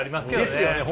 ですよね